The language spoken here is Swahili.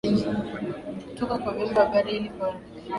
kutoka kwa vyombo habari ili kuharakisha na kurahisisha